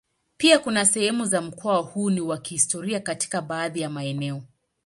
Pia kuna sehemu za mkoa huu ni wa kihistoria katika baadhi ya maeneo.